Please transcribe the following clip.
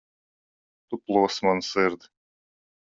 Tu plosi manu sirdi.